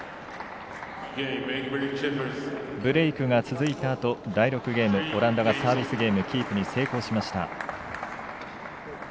ブレークが続いたあと第６ゲーム、オランダがサービスゲームキープに成功しました。